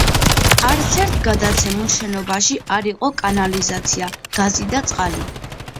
არცერთ გადაცემულ შენობაში არ იყო კანალიზაცია, გაზი და წყალი.